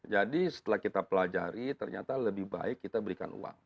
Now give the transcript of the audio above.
jadi setelah kita pelajari ternyata lebih baik kita berikan uang